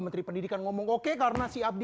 menteri pendidikan ngomong oke karena si abdi